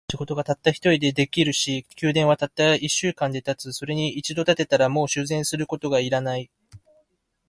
この道具を使えば、今まで十人でした仕事が、たった一人で出来上るし、宮殿はたった一週間で建つ。それに一度建てたら、もう修繕することが要らない。